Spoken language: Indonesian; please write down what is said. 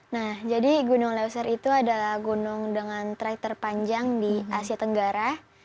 nah jadi gunung leuser itu adalah gunung dengan traik terpanjang di asia tenggara